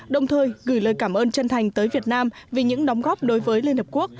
đồng thời gửi lời cảm ơn chân thành tới việt nam vì những đóng góp đối với liên hợp quốc